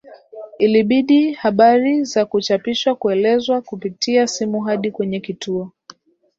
Ilbidi habari za kuchapishwa kuelezwa kupitia simu hadi kwenye kituo